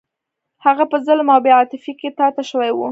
هغه په ظلم او بې عاطفګۍ کې تا ته شوی و.